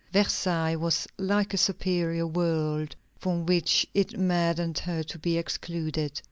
Versailles was like a superior world from which it maddened her to be excluded.